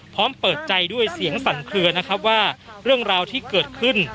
พร้อมเปิดใจด้วยเสียงสั่นเคลือนะครับว่าเรื่องราวที่เกิดขึ้น